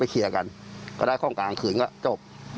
หักเงินหักทองกันนะครับ